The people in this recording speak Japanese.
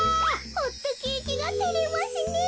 ホットケーキがてれますねえ。